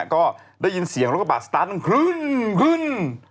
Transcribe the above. ก็ได้ยินเสียงรถกระบาดสตาร์ทมันขึ้นขึ้น